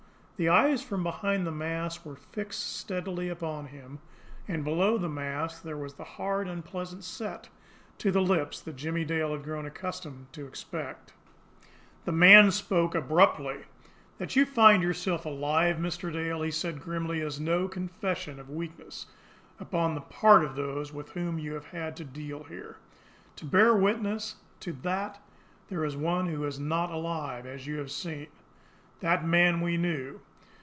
The eyes from behind the mask were fixed steadily upon him, and below the mask there was the hard, unpleasant set to the lips that Jimmie Dale had grown accustomed to expect. The man spoke abruptly. "That you find yourself alive, Mr. Dale," he said grimly, "is no confession of weakness upon the part of those with whom you have had to deal here. To bear witness to that there is one who is not alive, as you have seen. That man we knew.